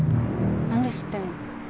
なんで知ってんの？